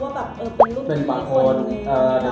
วาววะเป็นลุงที่มีคน